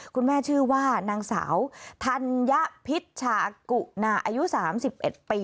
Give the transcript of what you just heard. คุณแม่ชื่อว่านางสาวธัญพิชชากุนาอายุ๓๑ปี